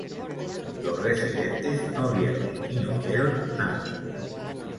Los residentes no vieron ni oyeron nada.